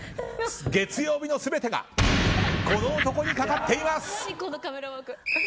月曜日の全てがこの男にかかっています。